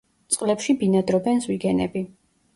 წყლებში ბინადრობენ ზვიგენები.